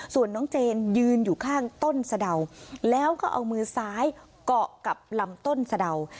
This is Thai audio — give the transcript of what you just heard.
ส่วนน้องเจนยืนอยู่ข้างต้นสะเดาแล้วก็เอามือซ้ายเกาะกับลำต้นสะเดา